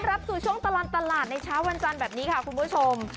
รับสู่ช่วงตลอดตลาดในเช้าวันจันทร์แบบนี้ค่ะคุณผู้ชม